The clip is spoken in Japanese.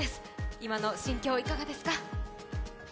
今の心境、いかがですか？